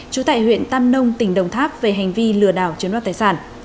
trú tại huyện tam nông tỉnh đồng tháp về hành vi lừa đảo chiếm đoạt tài sản